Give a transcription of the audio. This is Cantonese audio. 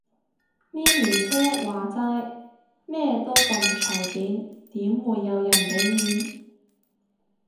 咪咪姐話齋，咩都咁隨便，點會有人俾面